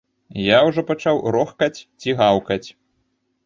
Я ўжо пачаў рохкаць ці гаўкаць!